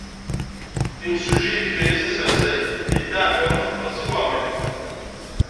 Imsujji yefka-as asersay i Dda Ɛmiiruc u Qasi Waɛmer n Ḥmed.